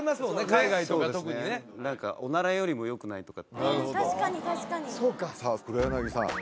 海外とか特にね何かおならよりもよくないとか確かに確かにさあ黒柳さん